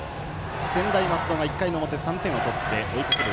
専大松戸が１回の表３点を取って追いかける